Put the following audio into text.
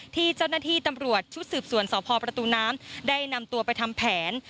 ที่เจ้าหน้าที่ตำรวจชุดสืบสวนสพประตูน้ำได้นำตัวไปทำแผน